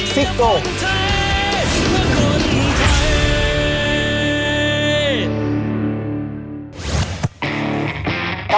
เชียร์บอลไทยกับซิโก